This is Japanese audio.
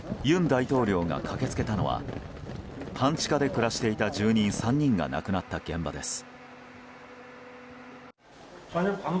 尹大統領が駆け付けたのは半地下で暮らしていた住人３人が亡くなった現場です。